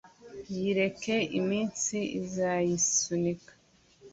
yireke iminsi izayisunika